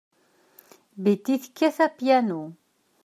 Betty tekkat apyanu.